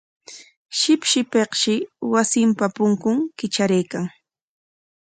Shipshipikshi wasinpa punkun kitraraykan.